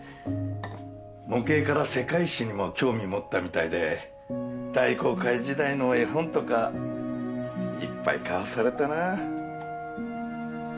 模型から世界史にも興味持ったみたいで大航海時代の絵本とかいっぱい買わされたな。